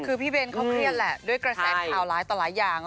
คือพี่เบนเขาเครียดแหละด้วยกระแสข่าวหลายต่อหลายอย่าง